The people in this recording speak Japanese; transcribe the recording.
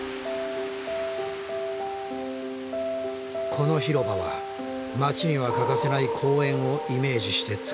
この広場は街には欠かせない「公園」をイメージして作られた。